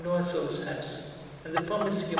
Loiseau's house and the pharmacy of M.